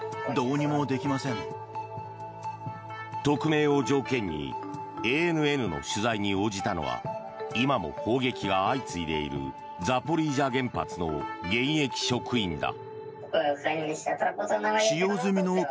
匿名を条件にＡＮＮの取材に応じたのは今も砲撃が相次いでいるザポリージャ原発の現役職員だ。